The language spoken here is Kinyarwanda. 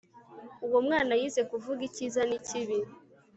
Uwo mwana yize kuvuga icyiza nikibi